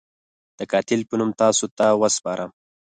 د قاتل په نوم تاسو ته وسپارم.